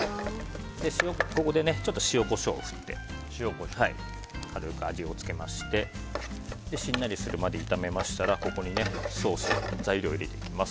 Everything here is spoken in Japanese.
ここで、ちょっと塩、コショウを振って軽く味をつけましてしんなりするまで炒めましたらここにソースの材料を入れていきます。